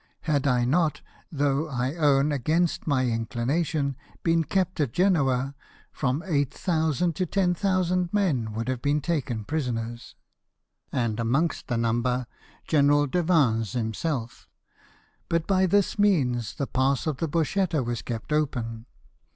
Had I not, though, I own, against my inchnation, been kept at Genoa, from 8,000 to 10,000 men would have been taken prisoners, and amongst the number General de Vins himself; but by this means the pass of the Bocchetta was kept open.